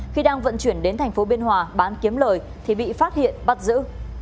khi đang vận chuyển đến tp bnh bán kiếm lời thì bị phát hiện bắt giữ